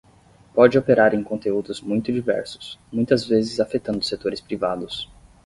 Pode operar em conteúdos muito diversos, muitas vezes afetando setores privados.